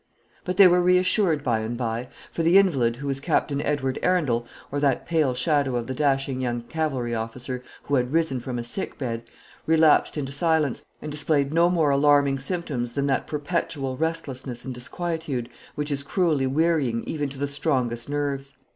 But they were reassured by and by; for the invalid, who was Captain Edward Arundel, or that pale shadow of the dashing young cavalry officer which had risen from a sick bed, relapsed into silence, and displayed no more alarming symptoms than that perpetual restlessness and disquietude which is cruelly wearying even to the strongest nerves.